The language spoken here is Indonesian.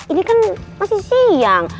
ini kan masih siang